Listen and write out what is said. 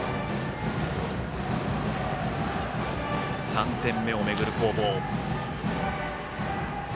３点目を巡る攻防。